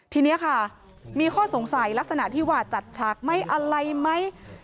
ทีนี้ค่ะมีข้อสงสัยลักษณะที่ว่าจัดฉากไหมอะไรไหม